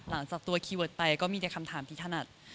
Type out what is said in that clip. หลังจากตัวคีย์เวิร์ดไปก็มีแต่คำถามที่ถนัด